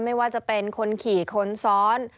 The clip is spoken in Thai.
ไม่ว่าจะเป็นคนขี่คนซ้อน